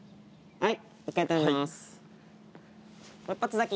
はい。